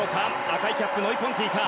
赤いキャップノイ・ポンティか。